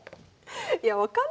いや分かんないです。